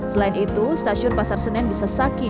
selain itu stasiun pasar senen disesaki